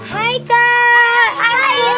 hai kak hai temen temen